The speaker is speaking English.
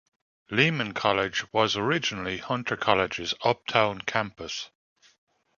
Lehman College was originally Hunter College's uptown campus.